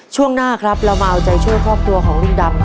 ช่วงหน้าครับเรามาเอาใจช่วยครอบครัวของลุงดำ